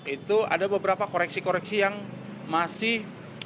itu ada beberapa koreksi koreksi yang masih